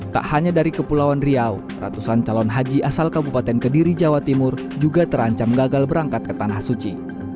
tak hanya dari kepulauan riau ratusan calon haji asal kabupaten kediri jawa timur juga terancam gagal berangkat ke tanah suci